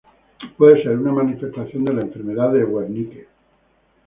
Puede ser una manifestación de la enfermedad de Wernicke.